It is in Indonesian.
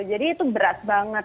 jadi itu berat banget